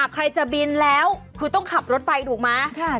ใครจะบินแล้วคือต้องขับรถไปถูกไหม